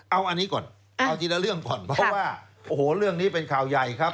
เอาอันนี้ก่อนเอาทีละเรื่องก่อนเพราะว่าโอ้โหเรื่องนี้เป็นข่าวใหญ่ครับ